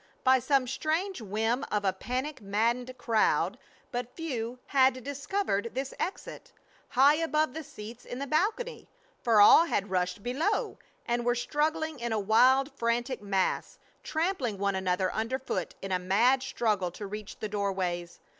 By some strange whim of a panic maddened crowd but few had discovered this exit, high above the seats in the balcony; for all had rushed below and were struggling in a wild, frantic mass, trampling one another underfoot in a mad struggle to reach the doorways.